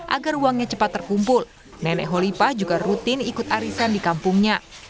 agar uangnya cepat terkumpul nenek holipa juga rutin ikut arisan di kampungnya